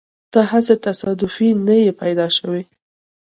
ته هسې تصادفي نه يې پیدا شوی.